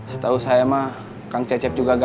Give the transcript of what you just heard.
setau saya mah kang cecep juga gak ada niat